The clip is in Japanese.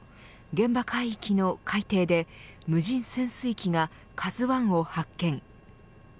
現場海域の海底で無人潜水機がＫＡＺＵ１を発見。